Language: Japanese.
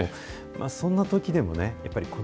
そんなときでもね、やっぱりこの